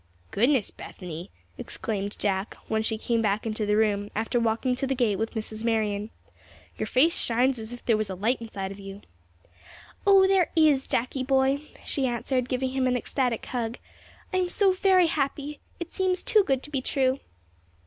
"Goodness, Bethany!" exclaimed Jack, when she came back into the room after walking to the gate with Mrs. Marion. "Your face shines as if there was a light inside of you." "O, there is, Jackie boy," she answered, giving him an ecstatic hug. "I am so very happy! It seems too good to be true."